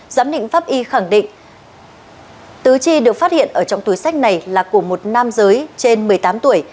giám định pháp y khẳng định tứ chi được phát hiện ở trong túi sách này là của một nam giới trên một mươi tám tuổi